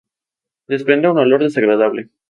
Desprende un olor desagradable.